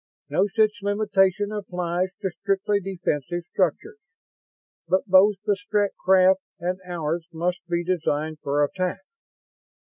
No such limitation applies to strictly defensive structures, but both the Strett craft and ours must be designed for attack.